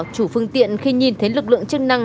chủ phương tiện khi nhìn thấy lực lượng chức năng